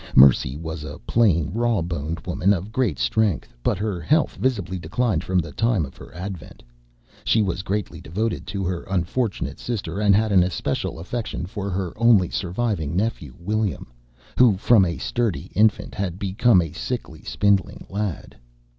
Mercy was a plain, raw boned woman of great strength; but her health visibly declined from the time of her advent. She was greatly devoted to her unfortunate sister, and had an especial affection for her only surviving nephew William, who from a sturdy infant had become a sickly, spindling lad.